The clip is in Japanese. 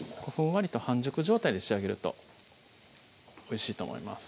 わりと半熟状態で仕上げるとおいしいと思います